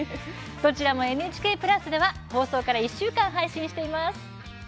どちらもＮＨＫプラスでは放送から１週間配信しています。